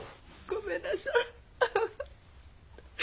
ごめんなさい。